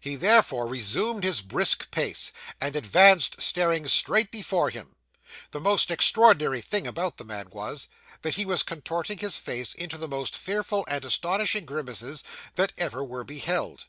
He therefore resumed his brisk pace, and advanced, staring straight before him. The most extraordinary thing about the man was, that he was contorting his face into the most fearful and astonishing grimaces that ever were beheld.